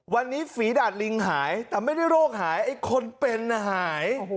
วันนี้ฝีดาดลิงหายแต่ไม่ได้โรคหายไอ้คนเป็นหาย